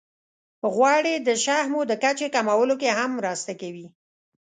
غوړې د شحمو د کچې کمولو کې هم مرسته کوي.